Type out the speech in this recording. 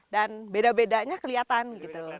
dan beda bedanya kelihatan gitu